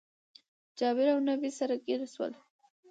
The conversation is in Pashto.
جابير اونبي سره ګير شول